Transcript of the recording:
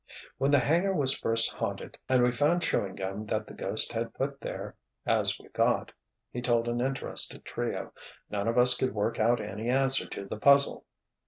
"When the hangar was first haunted, and we found chewing gum that the ghost had put there, as we thought," he told an interested trio, "none of us could work out any answer to the puzzle.